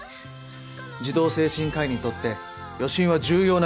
児童精神科医にとって予診は重要な仕事ですから。